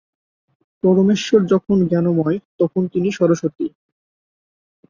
পরমেশ্বর যখন জ্ঞানময় তখন তিনি সরস্বতী।